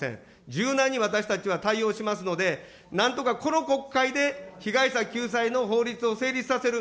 柔軟に私たちは対応しますので、なんとかこの国会で被害者救済の法律を成立させる。